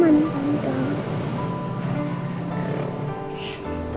aku udah nggak demam